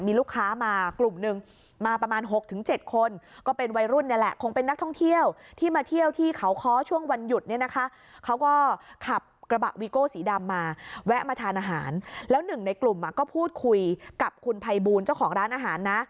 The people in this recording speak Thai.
มีลูกค้ามากลุ่มหนึ่งมาประมาณหกถึงเจ็ดคน